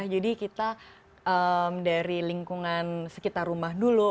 jadi kita dari lingkungan sekitar rumah dulu